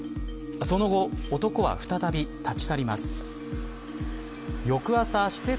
その後男は再び立ち去りました。